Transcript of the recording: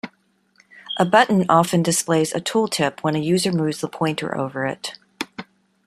A button often displays a tooltip when a user moves the pointer over it.